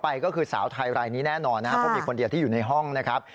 เพราะมีคนเดียวที่อยู่ในห้องนะครับ